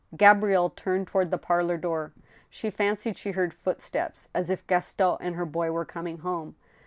Gabrielle turned toward the parlor door. She fancied she heard footsteps, as if Gaston and her boy were coming home.